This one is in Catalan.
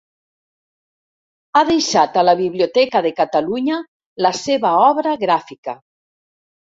Ha deixat a la Biblioteca de Catalunya la seva obra gràfica.